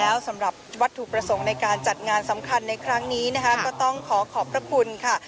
แล้วสำหรับวัตถุประสงค์ในการจัดงานสำคัญในครั้งนี้นะคะก็ต้องขอขอบพระคุณค่ะ